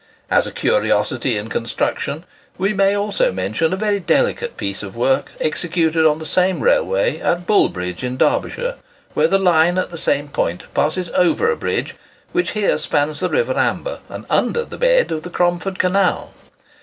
[Picture: Bullbridge, near Ambergate] As a curiosity in construction, we may also mention a very delicate piece of work executed on the same railway at Bullbridge in Derbyshire, where the line at the same point passes over a bridge which here spans the river Amber, and under the bed of the Cromford Canal.